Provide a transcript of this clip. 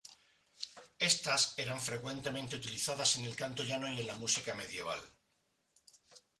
Estas eran frecuentemente utilizadas en el canto llano y en la música medieval.